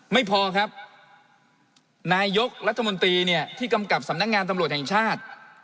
ไม่พอครับนายกรัฐมนตรีเนี่ยที่กำกับสำนักงานตำรวจแห่งชาติ